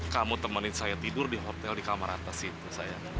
kamu temenin saya tidur di hotel di kamar atas itu saya